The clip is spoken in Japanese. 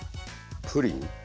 プリン？